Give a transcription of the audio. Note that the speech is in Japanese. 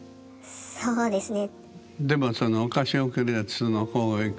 そうですね。